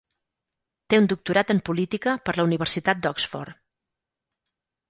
Té un doctorat en política per la Universitat d'Oxford.